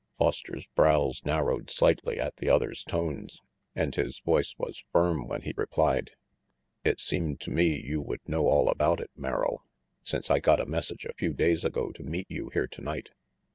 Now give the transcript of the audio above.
Foster's brows narrowed slightly at the other's tones, and his voice was firm when he replied: "It seemed to me you would know all about it, Merrill, since I got a message a few days ago to meet you here tonight."